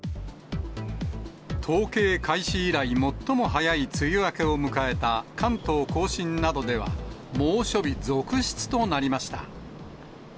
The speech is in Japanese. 統計開始以来、最も早い梅雨明けを迎えた関東甲信などでは、猛暑日続出となりました。